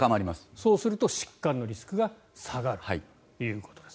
そうすると疾患のリスクが下がるということです。